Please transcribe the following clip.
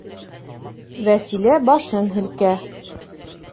Вәсилә башын һелкә.